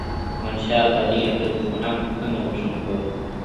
احمد شاه ابدالي خپلو دښمنانو ته څنګه بخښنه کوله؟